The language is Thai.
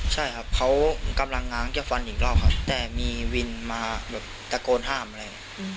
ใช่ครับเขากำลังง้างจะฟันอีกรอบครับแต่มีวินมาแบบตะโกนห้ามอะไร